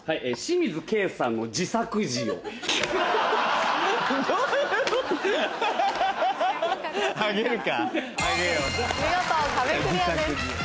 見事壁クリアです。